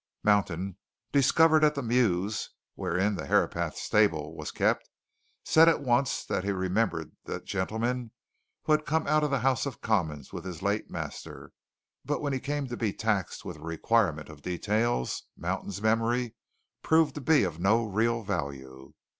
Mountain, discovered at the mews wherein the Herapath stable was kept, said at once that he remembered the gentleman who had come out of the House of Commons with his late master. But when he came to be taxed with a requirement of details, Mountain's memory proved to be of no real value.